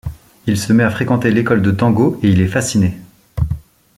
Il se met à fréquenter l'école de tango et il est fasciné.